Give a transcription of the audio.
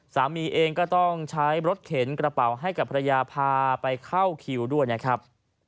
สามีเองก็ต้องใช้รถเข็นกระเป๋าให้กับภรรยาพาไปเข้าคิวด้วยนะครับ